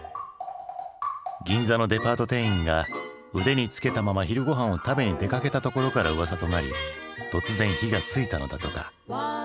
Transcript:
銀座のデパート店員が腕につけたまま昼御飯を食べに出かけたところからうわさとなり突然火がついたのだとか。